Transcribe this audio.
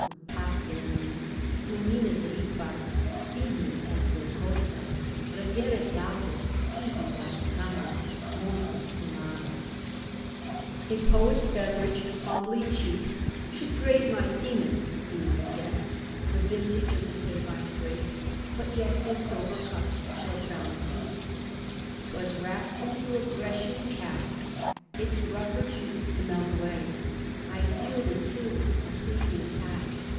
Ut patemi Fluminis ripa, simul etjocosa Redderet iaudes tibi VcUicam Montis imago,* ^" A poet's beverage humbly cheap, (Should great Maecenas be my guest) The vintage of the Sabine grape, But yet in sober cups shaJl crown the feast ! 'Twas rack'd into a Grecian cask, Its rougher juice to melt away ; I seal*d it too — a pleasing task